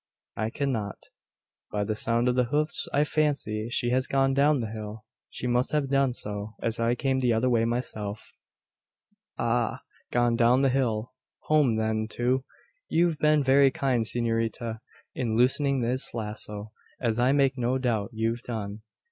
"I cannot. By the sound of the hoofs I fancy she has gone down the hill. She must have done so, as I came the other way myself." "Ah gone down the hill home, then, to . You've been very kind, s'norita, in loosening this lazo as I make no doubt you've done.